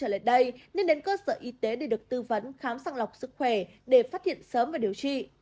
trở lại đây nên đến cơ sở y tế để được tư vấn khám sàng lọc sức khỏe để phát hiện sớm và điều trị